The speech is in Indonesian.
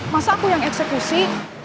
masa aku yang eksekusi